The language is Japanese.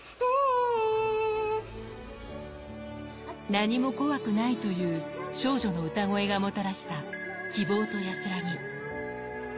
何も怖くないという少女の歌声がもたらした希望と安らぎ。